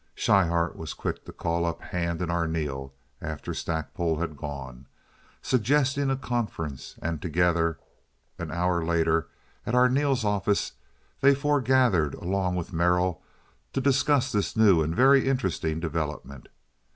Schryhart was quick to call up Hand and Arneel, after Stackpole had gone, suggesting a conference, and together, an hour later, at Arneel's office, they foregathered along with Merrill to discuss this new and very interesting development.